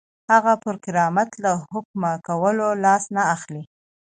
هغه پر کرامت له حکم کولو لاس نه اخلي.